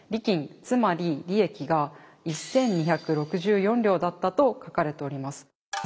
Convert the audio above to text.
つまり利益が１，２６４両だったと書かれております。